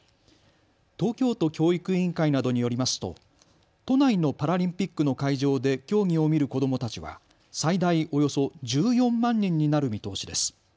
東京都教育委員会などによりますと都内のパラリンピックの会場で競技を見る子どもたちは最大およそ１４万人になる見通しです。